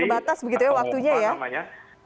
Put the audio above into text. terbatas begitu ya waktunya ya